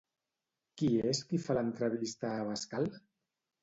Qui és qui fa l'entrevista a Abascal?